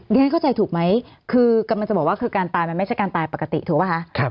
นี่ให้เข้าใจถูกไหมคือการตายมันไม่ใช่การตายปกติถูกไหมฮะ